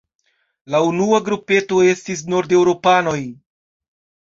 La unua grupeto estis nordeŭropanoj.